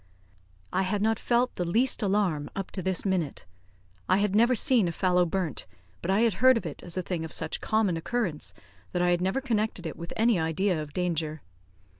I had not felt the least alarm up to this minute; I had never seen a fallow burnt, but I had heard of it as a thing of such common occurrence that I had never connected with it any idea of danger.